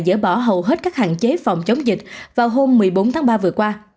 dỡ bỏ hầu hết các hạn chế phòng chống dịch vào hôm một mươi bốn tháng ba vừa qua